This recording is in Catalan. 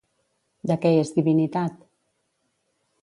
De què és divinitat?